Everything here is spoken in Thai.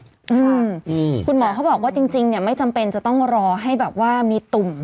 อืมคุณหมอเขาบอกว่าจริงจริงเนี่ยไม่จำเป็นจะต้องรอให้แบบว่ามีตุ่ม